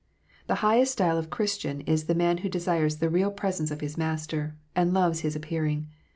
The highest style of Christian is the man who desires the real presence of his Master, and " loves His appearing."